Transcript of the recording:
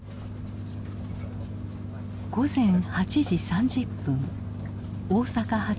午前８時３０分大阪発